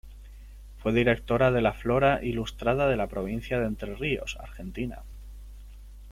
Fue directora de la Flora Ilustrada de la Provincia de Entre Ríos, Argentina.